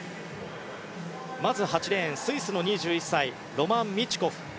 まず８レーン、スイスの２１歳ロマン・ミチュコフ。